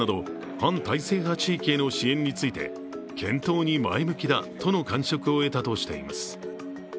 反体制派地域への支援について検討に前向きだとの感触を得たとしています。